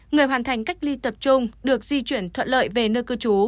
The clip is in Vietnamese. người hoàn thành cách ly tập trung được di chuyển thuận lợi về nơi cư trú